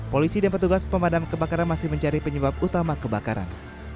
polisi dan petugas pemadam kebakaran masih mencari penyebab utama kebakaran